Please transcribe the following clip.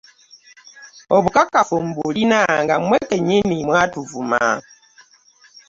Obukakafu mbulina nga mwe kennyini mwatuvuma.